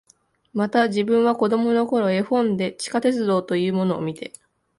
また、自分は子供の頃、絵本で地下鉄道というものを見て、